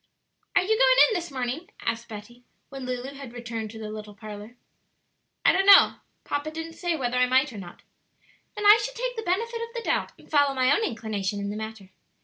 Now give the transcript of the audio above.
"Are you going in this morning?" asked Betty, when Lulu had returned to the little parlor. "I don't know; papa didn't say whether I might or not." "Then I should take the benefit of the doubt and follow my own inclination in the matter.